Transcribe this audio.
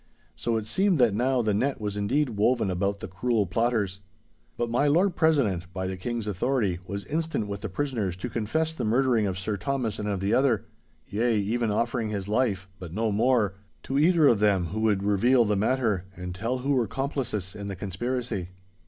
So it seemed that now the net was indeed woven about the cruel plotters. But my Lord President, by the King's authority, was instant with the prisoners to confess the murdering of Sir Thomas and of the other—yea, even offering his life (but no more) to either of them who would reveal the matter, and tell who were complices in the conspiracy.